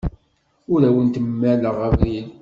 Ur awent-mmaleɣ abrid.